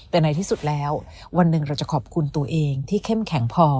แต่ในที่สุดแล้ววันหนึ่งเราจะขอบคุณตัวเองที่เข้มแข็งพอ